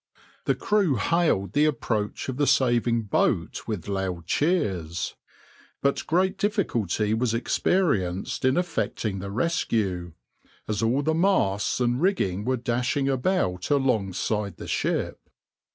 The crew hailed the approach of the saving boat with loud cheers, but great difficulty was experienced in effecting the rescue, as all the masts and rigging were dashing about alongside the ship.